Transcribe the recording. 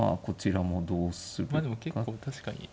こちらもどうするか。